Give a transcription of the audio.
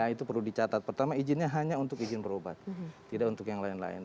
itu perlu dicatat pertama izinnya hanya untuk izin berobat tidak untuk yang lain lain